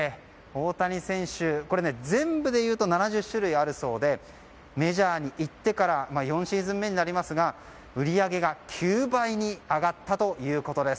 これ、全部でいうと７０種類あるそうで、大谷選手はメジャーに行ってから４シーズン目になりますが売り上げが９倍に上がったということです。